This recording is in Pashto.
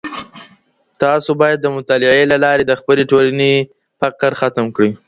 تاسو بايد د مطالعې له لاري د خپلي ټولني فقر ختم کړئ.